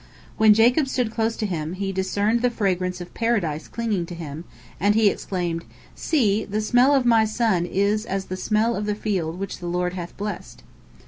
When Jacob stood close to him, he discerned the fragrance of Paradise clinging to him, and he exclaimed, "See, the smell of my son is as the smell of the field which the Lord hath blessed."